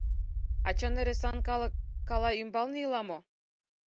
А чын ыресан калык калай ӱмбалне ила мо?